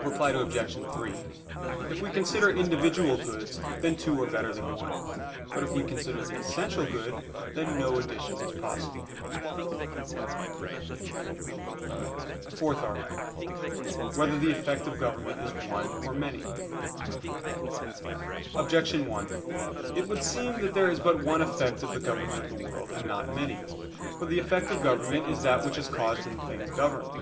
Reply Obj. 3: If we consider individual goods, then two are better than one. But if we consider the essential good, then no addition is possible. _______________________ FOURTH ARTICLE [I, Q. 103, Art. 4] Whether the Effect of Government Is One or Many? Objection 1: It would seem that there is but one effect of the government of the world and not many. For the effect of government is that which is caused in the things governed.